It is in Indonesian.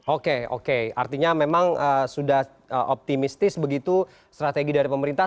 oke oke artinya memang sudah optimistis begitu strategi dari pemerintah